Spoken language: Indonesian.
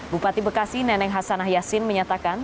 bupati bekasi neneng hasanah yassin menyatakan